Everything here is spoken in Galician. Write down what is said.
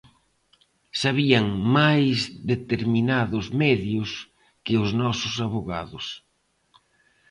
Sabían máis determinados medios que os nosos avogados.